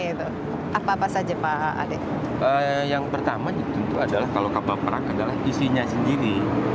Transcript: itu apa apa saja pak ade yang pertama tentu adalah kalau kapal perang adalah isinya sendiri